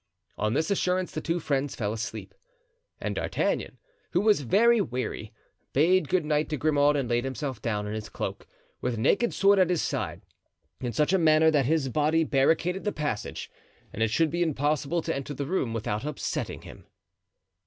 On this assurance the two friends fell asleep; and D'Artagnan, who was very weary, bade good night to Grimaud and laid himself down in his cloak, with naked sword at his side, in such a manner that his body barricaded the passage, and it should be impossible to enter the room without upsetting him.